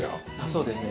そうですね。